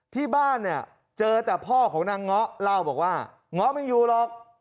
ที่บ้านเนี่ยเจอแต่พ่อของนางเงาะเล่าบอกว่าเงาะไม่อยู่หรอก